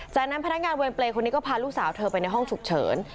จากนั้นพนักงานเวรเปรย์คนนี้ก็พาลูกสาวเธอไปในห้องฉุกเฉิน